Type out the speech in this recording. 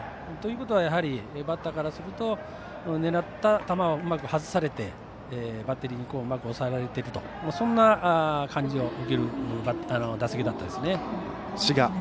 ということはバッターからすると狙った球をうまく外されて、バッテリーにうまく抑えられているとそんな感じを受ける打席でした。